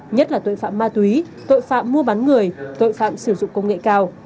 nhất là tội phạm ma túy tội phạm mua bán người tội phạm sử dụng công nghệ cao